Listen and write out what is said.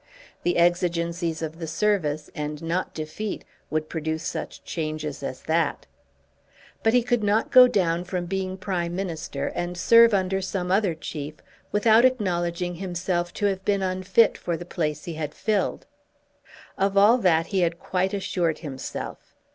The exigencies of the service and not defeat would produce such changes as that. But he could not go down from being Prime Minister and serve under some other chief without acknowledging himself to have been unfit for the place he had filled. Of all that he had quite assured himself.